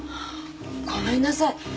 ごめんなさい。